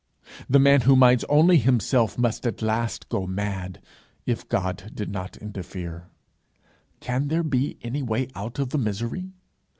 The man who minds only himself must at last go mad if God did not interfere. Can there be any way out of the misery?